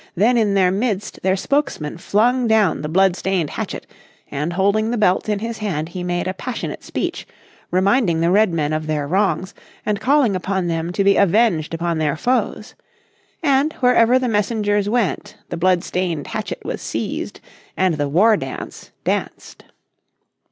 Then in their midst their spokesman flung down the blood stained hatchet, and holding the belt in his hand he made a passionate speech, reminding the Redmen of their wrongs, and calling upon them to be avenged upon their foes. And wherever the messengers went the blood stained hatchet was seized, and the war dance danced.